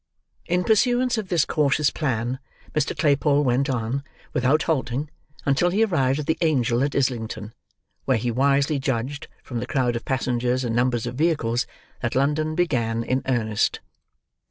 In pursuance of this cautious plan, Mr. Claypole went on, without halting, until he arrived at the Angel at Islington, where he wisely judged, from the crowd of passengers and numbers of vehicles, that London began in earnest.